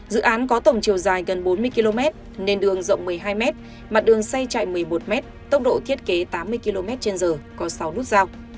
dự án có tổng chiều dài gần bốn mươi km nền đường rộng một mươi hai m mặt đường xây chạy một mươi một m tốc độ thiết kế tám mươi km trên giờ có sáu nút giao